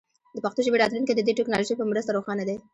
د پښتو ژبې راتلونکی د دې ټکنالوژۍ په مرسته روښانه دی.